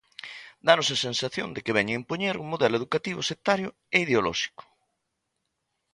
Dános a sensación de que veñen impoñer un modelo educativo sectario e ideolóxico.